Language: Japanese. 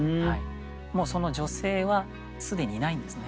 もうその女性は既にいないんですね。